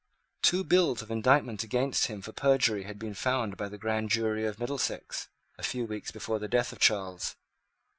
Two bills of indictment against him for perjury had been found by the grand jury of Middlesex, a few weeks before the death of Charles.